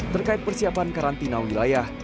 terkait persiapan karantina unilayah